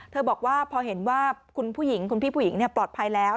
บอกว่าพอเห็นว่าคุณผู้หญิงคุณพี่ผู้หญิงปลอดภัยแล้ว